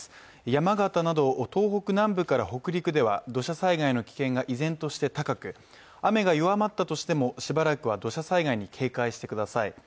山形など東北南部から北陸では土砂災害の危険が依然として高く雨が弱まったとしても、しばらくは土砂災害に警戒してください。